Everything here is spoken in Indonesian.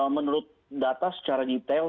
menurut data secara detail